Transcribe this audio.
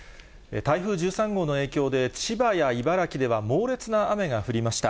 台風１３号の影響で、千葉や茨城では猛烈な雨が降りました。